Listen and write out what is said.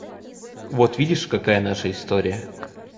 Вот видишь, какая наша история!